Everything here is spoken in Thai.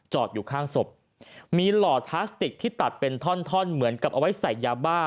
อยู่ข้างศพมีหลอดพลาสติกที่ตัดเป็นท่อนท่อนเหมือนกับเอาไว้ใส่ยาบ้า